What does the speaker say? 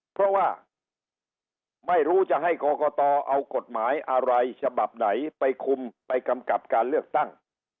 เพราะว่าไม่รู้จะให้กรกตเอากฎหมายอะไรฉบับไหนไปคุมไปกำกับการเลือกตั้ง